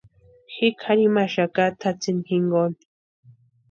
Ji kʼarhimaxaka tʼatsïni jinkoni.